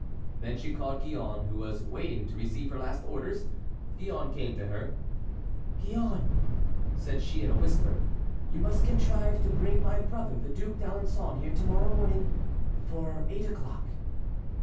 Then she called Gillonne, who was waiting to receive her last orders. Gillonne came to her. "Gillonne," said she in a whisper, "you must contrive to bring my brother the Duc d'Alençon here to morrow morning before eight o'clock."